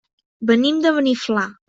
Venim de Beniflà.